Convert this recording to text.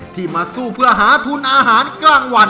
ที่มาสู้เพื่อหาทุนอาหารกลางวัน